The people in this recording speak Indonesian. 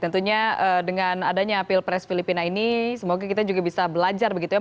tentunya dengan adanya pilpres filipina ini semoga kita juga bisa belajar begitu ya